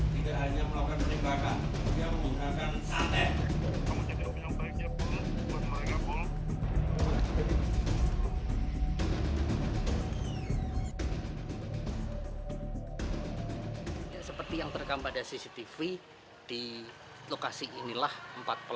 tidak hanya melakukan penembakan juga menggunakan santai